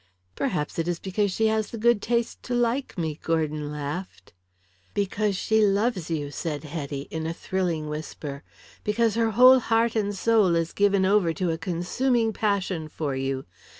"Perhaps it is because she has the good taste to like me," Gordon laughed. "Because she loves you," said Hetty, in a thrilling whisper. "Because her whole heart and soul is given over to a consuming passion for you.